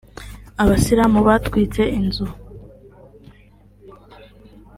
Abayisilamu batwitse inzu